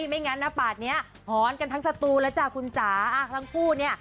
ไม่งั้นนะปาดเนี้ยหอนกันทั้งสตูแล้วจ้ะคุณจ๋าทั้งคู่เนี่ย